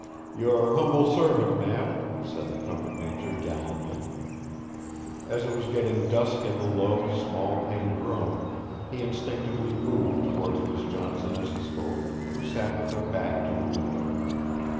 'Your humble servant, ma'am,' said the trumpet major gallantly. As it was getting dusk in the low, small paned room, he instinctively moved towards Miss Johnson as he spoke, who sat with her back to the window.